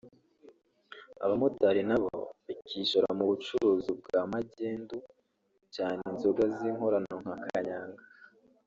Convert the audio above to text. abamotari na bo bakishora mu bucuruzu bwa magendu cyane inzoga z’inkorano nka kanyanga